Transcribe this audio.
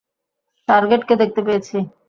টার্গেটকে দেখতে পেয়েছি।